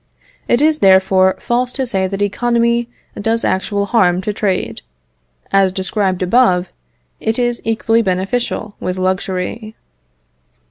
It is, therefore, false to say that economy does actual harm to trade; as described above, it is equally beneficial with luxury.